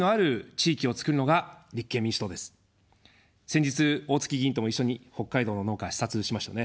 先日、おおつき議員とも一緒に北海道の農家、視察しましたね。